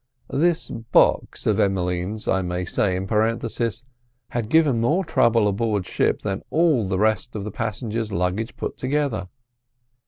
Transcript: This box of Emmeline's, I may say in parenthesis, had given more trouble aboard ship than all of the rest of the passengers' luggage put together.